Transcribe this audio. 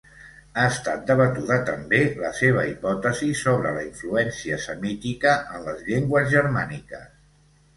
Ha estat debatuda també la seva hipòtesi sobre la influència semítica en les llengües germàniques.